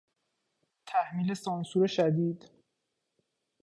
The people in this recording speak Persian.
تحمیل سانسور شدید